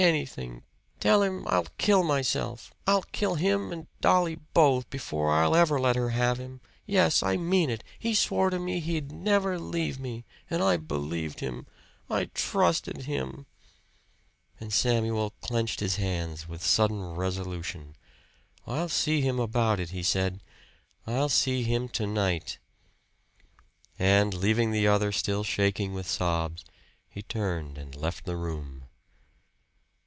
"Anything! Tell him I'll kill myself! I'll kill him and Dolly both, before I'll ever let her have him! Yes, I mean it! He swore to me he'd never leave me! And I believed him I trusted him!" And Samuel clenched his hands with sudden resolution. "I'll see him about it," he said. "I'll see him to night." And leaving the other still shaking with sobs, he turned and left the room.